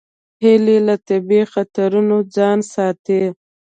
هیلۍ له طبیعي خطرونو ځان ساتي